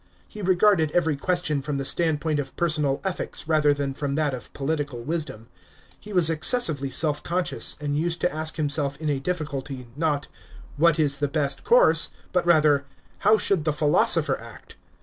He regarded every question from the standpoint of personal ethics rather than from that of political wisdom. He wa^ excessively self conscious, and used to ask himself in a difficulty, not " What is the best course V" but rather "How should the philosopher act?"